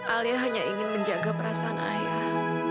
alia hanya ingin menjaga perasaan ayah